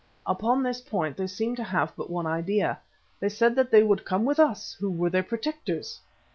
Upon this point they seemed to have but one idea. They said that they would come with us who were their protectors.